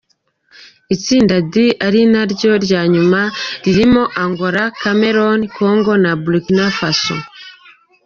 Itsinda D ari naryo rya nyuma ririmo: Angola, Cameroon, Congo na Burkina Faso.